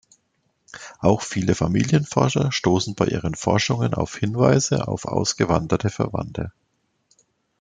Auch viele Familienforscher stoßen bei ihren Forschungen auf Hinweise auf ausgewanderte Verwandte.